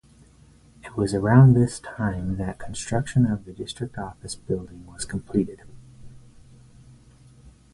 It was around this time that construction of the district office building was completed.